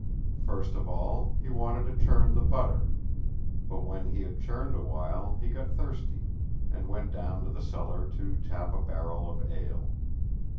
First of all, he wanted to churn the butter; but when he had churned a while, he got thirsty, and went down to the cellar to tap a barrel of ale.